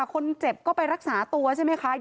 คนเจ็บก็ไปรักษาตัวใช่ไหมคะ